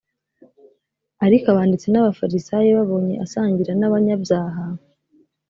ariko abanditsi n’abafarisayo babonye asangira n’abanyabyaha